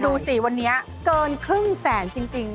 ดูสิวันนี้เกินครึ่งแสนจริง